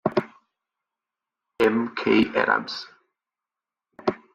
M. K. Adams.